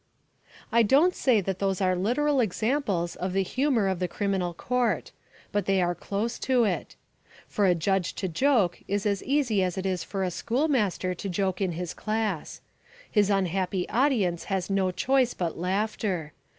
I don't say that those are literal examples of the humour of the criminal court. But they are close to it. For a judge to joke is as easy as it is for a schoolmaster to joke in his class. His unhappy audience has no choice but laughter.